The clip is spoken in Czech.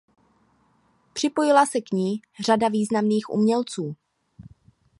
Připojila se k ní řada významných umělců.